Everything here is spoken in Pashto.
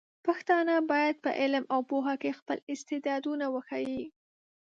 پښتانه بايد په علم او پوهه کې خپل استعدادونه وښيي.